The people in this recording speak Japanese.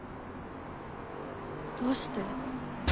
どうして？